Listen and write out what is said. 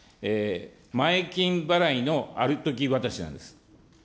前金払いのあるとき渡しなんです。